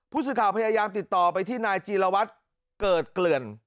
ผู้สื่อข่าวพยายามติดต่อไปที่นายจีรวัตรเกิดเกลื่อน